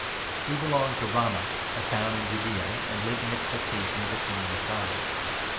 He belonged to Ramah, a town in Judaea, and lived in expectation of the Kingdom of God.